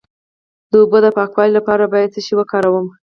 د اوبو د پاکوالي لپاره باید څه شی وکاروم؟